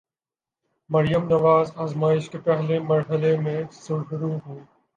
مریم نواز آزمائش کے پہلے مرحلے میں سرخرو ہوئیں۔